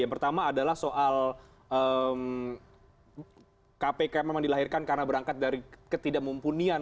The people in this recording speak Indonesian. yang pertama adalah soal kpk memang dilahirkan karena berangkat dari ketidakmumpunian